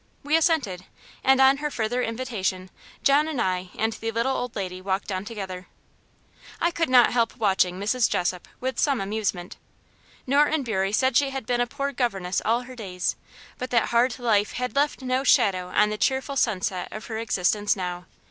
We assented; and on her further invitation John and I and the little old lady walked on together. I could not help watching Mrs. Jessop with some amusement. Norton Bury said she had been a poor governess all her days; but that hard life had left no shadow on the cheerful sunset of her existence now.